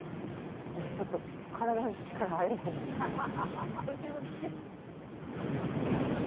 でもちょっと体に力が入れへんねん。